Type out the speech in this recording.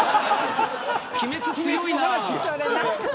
鬼滅強いな。